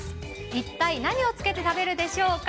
いったい、何をつけて食べるでしょうか？